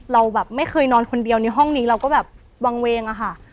เราแบบไม่เคยนอนคนเดียวในห้องนี้เราก็แบบวางเวงอะค่ะ